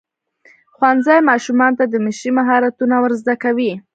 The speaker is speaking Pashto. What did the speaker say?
ښوونځی ماشومانو ته د مشرۍ مهارتونه ورزده کوي.